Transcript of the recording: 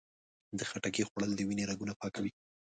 د خټکي خوړل د وینې رګونه پاکوي.